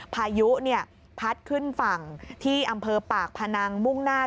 พายุเนี่ยพัดขึ้นฝั่งที่อำเภอปากพนังมุ่งหน้า